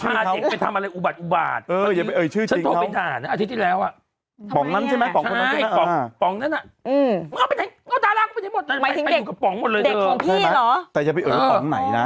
หยัดไปเอ่ยชื่อป๋องไหนน่ะ